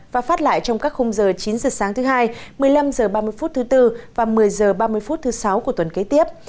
và phát lại trong các khung giờ chín h sáng thứ hai một mươi năm h ba mươi phút thứ bốn và một mươi h ba mươi phút thứ sáu của tuần kế tiếp